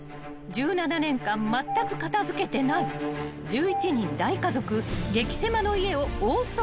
［１７年間まったく片付けてない１１人大家族激狭の家を大掃除］